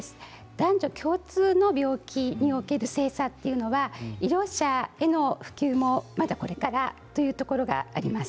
男女共通の病気における性差というのは医療者への普及もまだこれからというところがあります。